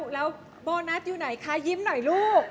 แล้วโบนัสอยู่ไหนคะยิ้มหน่อยลูก